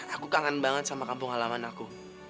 aku kangen banget sama kampung halaman aku